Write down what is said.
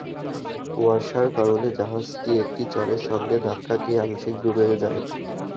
কুয়াশার কারণে জাহাজটি একটি চরের সঙ্গে ধাক্কা খেয়ে আংশিক ডুবে যায়।